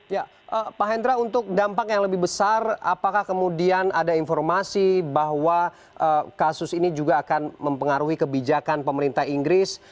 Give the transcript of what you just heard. ya pak hendra untuk dampak yang lebih besar apakah kemudian ada informasi bahwa kasus ini juga akan mempengaruhi kebijakan pemerintah inggris